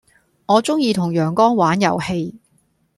我鐘意同陽光玩遊戲